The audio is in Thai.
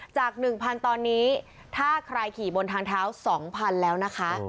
จาก๑๐๐ตอนนี้ถ้าใครขี่บนทางเท้า๒๐๐๐แล้วนะคะ